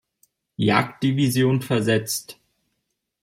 Jagd-Division versetzt.